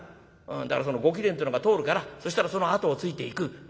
「だからそのご貴殿というのが通るからそしたらその後をついていく」。